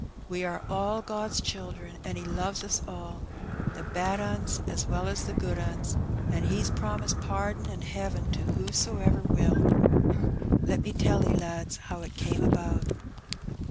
We are all God's children, an' He loves us all, the bad 'uns as well as the good 'uns, an' He's promised pardon an' heaven to whosoever will. Let me tell 'e, lads, how it came about.